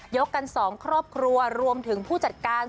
กัน๒ครอบครัวรวมถึงผู้จัดการ